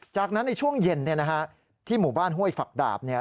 จากนั้นในช่วงเย็นเนี่ยนะฮะที่หมู่บ้านห้วยฝักดาบเนี่ย